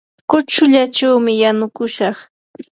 kuchullachawmi yanukushaq.